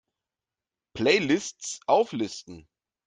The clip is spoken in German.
Playlists auflisten!